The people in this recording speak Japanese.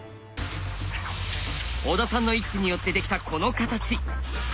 小田さんの一手によってできたこの形。